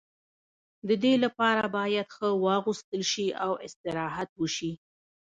د دې لپاره باید ښه واغوستل شي او استراحت وشي.